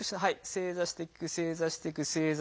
正座していく正座していく。